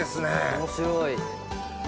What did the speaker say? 面白い。